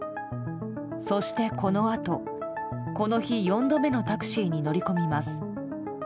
そしてこのあと、この日４度目のタクシーに乗り込みます。